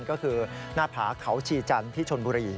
ก็คือหน้าผาเขาชีจันทร์ที่ชนบุรี